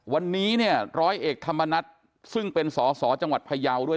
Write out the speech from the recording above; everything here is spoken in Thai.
วันนี้เนี่ยร้อยเอกธรรมนัฏซึ่งเป็นสอสอจังหวัดพยาวด้วย